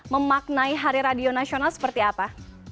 memaknai hari radio nasional seperti apa